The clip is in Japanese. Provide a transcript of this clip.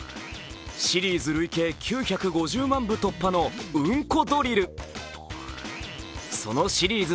シリーズ累計９５０万部突破の「うんこドリル」そのシリーズ